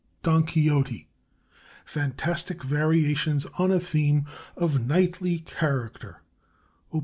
"DON QUIXOTE," FANTASTIC VARIATIONS ON A THEME OF KNIGHTLY CHARACTER: Op.